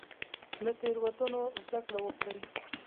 له تیروتنو زده کړه وکړئ